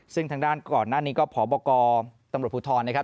ซึ่งทางด้านก่อนหน้านี้ก็พบกตำรวจภูทรนะครับ